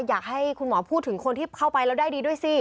อยากให้คุณหมอพูดถึงคนที่เข้าไปแล้วได้ดีด้วยสิ